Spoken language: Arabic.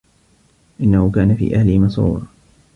إِنَّهُ كانَ في أَهلِهِ مَسرورًا